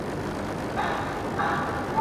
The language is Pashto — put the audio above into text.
هغه د خپلې ژبې د پرمختګ لپاره کار کوي.